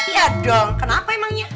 ya dong kenapa emangnya